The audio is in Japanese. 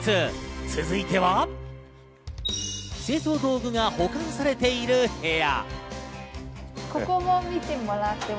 続いては清掃道具が保管されている部屋。